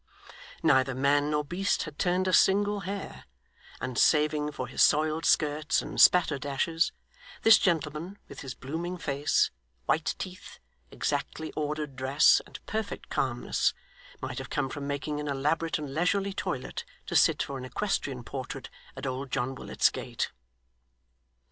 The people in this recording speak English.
Neither man nor beast had turned a single hair; and saving for his soiled skirts and spatter dashes, this gentleman, with his blooming face, white teeth, exactly ordered dress, and perfect calmness, might have come from making an elaborate and leisurely toilet, to sit for an equestrian portrait at old John Willet's gate.